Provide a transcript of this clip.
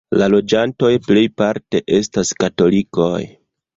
La loĝantoj plejparte estas katolikoj.